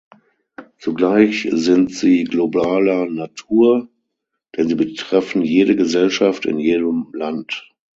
Zugleich sind sie globaler Natur, denn sie betreffen jede Gesellschaft in jedem Land.